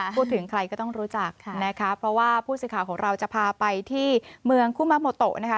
พูดถึงใครก็ต้องรู้จักนะคะเพราะว่าผู้สื่อข่าวของเราจะพาไปที่เมืองคุมะโมโตนะคะ